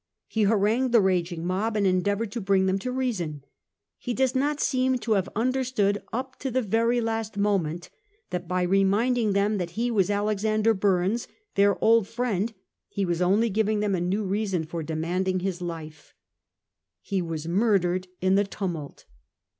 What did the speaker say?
He haran gued the raging mob, and endeavoured to bring them to reason. He does not seem to have understood up to the very last moment that by reminding them that he was Alexander Burnes, their old friend, he was only giving them a new reason for demanding his life. 240 A HISTORY OF OUR OWN TIMES. cn. xi. He was murdered in the tumult.